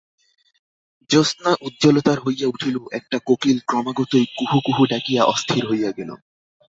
জ্যোৎস্না উজ্জ্বলতর হইয়া উঠিল, একটা কোকিল ক্রমাগতই কুহু কুহু ডাকিয়া অস্থির হইয়া গেল।